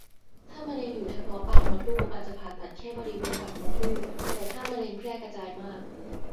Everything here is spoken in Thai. ถ้ามะเร็งอยู่เฉพาะปากมดลูกอาจจะผ่าตัดแค่บริเวณปากมดลูก แต่ถ้ามะเร็งแพร่กระจายมาก